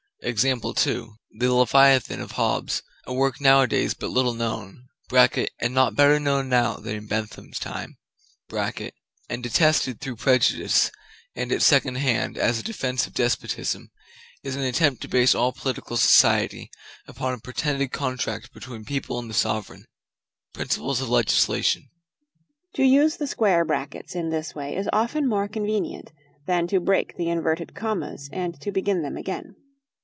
"The Leviathan of Hobbes, a work now a days but little known [and not better known now than in Bentham's time], and detested through prejudice, and at second hand, as a defence of despotism, is an attempt to base all political society upon a pretended contract between the people and the sovereign." Principles of Legislation. To use the square brackets in this way is often more convenient than to break the inverted commas and to begin them again.